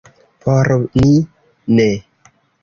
Por ni ne.